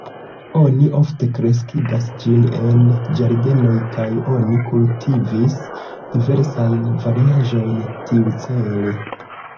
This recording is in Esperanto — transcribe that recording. Oni ofte kreskigas ĝin en ĝardenoj kaj oni kultivis diversajn variaĵojn tiucele.